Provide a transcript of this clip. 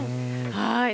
はい。